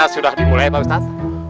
sudah dimulai pak ustaz